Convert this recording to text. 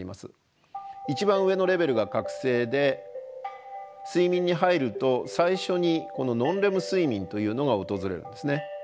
一番上のレベルが覚醒で睡眠に入ると最初にこのノンレム睡眠というのが訪れるんですね。